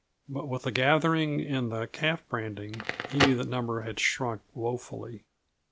But with the gathering and the calf branding he knew that the number had shrunk woefully.